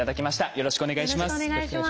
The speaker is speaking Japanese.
よろしくお願いします。